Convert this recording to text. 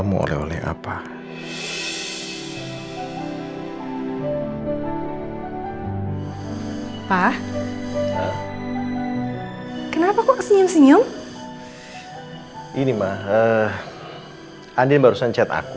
gimana maksudnya primeira